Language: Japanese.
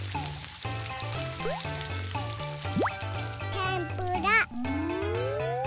てんぷら。